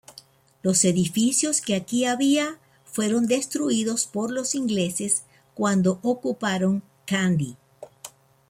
Los edificios que aquí había fueron destruidos por los ingleses cuando ocuparon Kandy.